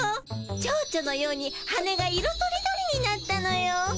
蝶々のように羽が色とりどりになったのよ。